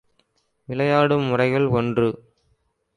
விளையாடும் முறைகள் ஒன்று.